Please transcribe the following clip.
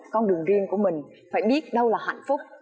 con đường riêng của mình phải biết đâu là hạnh phúc